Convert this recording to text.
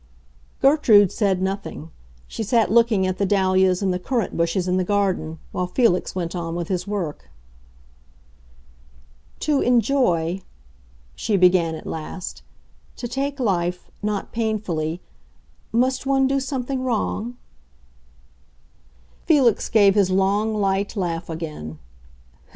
Gertrude said nothing; she sat looking at the dahlias and the currant bushes in the garden, while Felix went on with his work. "To 'enjoy,'" she began at last, "to take life—not painfully, must one do something wrong?" Felix gave his long, light laugh again.